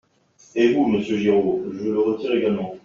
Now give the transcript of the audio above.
Et vous, monsieur Giraud Je le retire également.